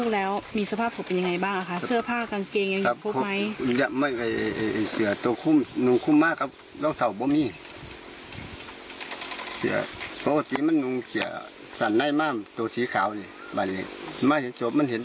แล้วสภาพร่างกายน้องมีบัตรแผลมีอะไรเหมือนกัน